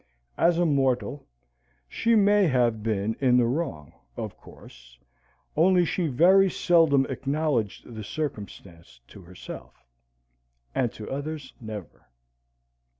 As a mortal, she may have been in the wrong, of course; only she very seldom acknowledged the circumstance to herself, and to others never.